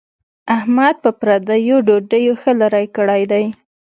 احمد په پردیو ډوډیو ښه لری کړی دی.